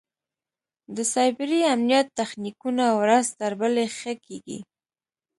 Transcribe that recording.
د سایبري امنیت تخنیکونه ورځ تر بلې ښه کېږي.